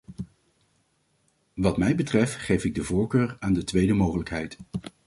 Wat mij betreft geef ik de voorkeur aan de tweede mogelijkheid.